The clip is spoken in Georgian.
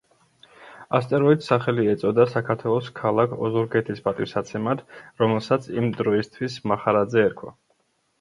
ასტეროიდს სახელი ეწოდა საქართველოს ქალაქ ოზურგეთის პატივსაცემად, რომელსაც იმ დროისთვის მახარაძე ერქვა.